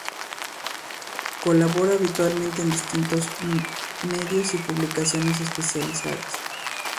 Colabora habitualmente en distintas medios y publicaciones especializadas.